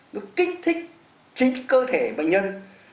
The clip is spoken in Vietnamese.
nó kích thích chính cơ thể bệnh nhân